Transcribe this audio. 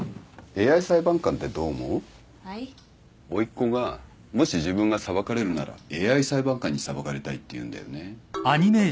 おいっ子がもし自分が裁かれるならＡＩ裁判官に裁かれたいって言うんだよね。